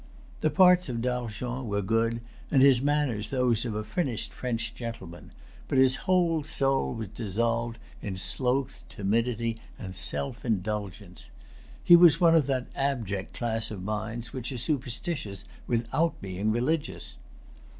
The parts of D'Argens were good, and his manners those of a finished French gentleman; but his whole soul was dissolved in sloth, timidity, and self indulgence. His was one of that abject class of minds which are superstitious without being religious.